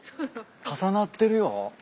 重なってるよ。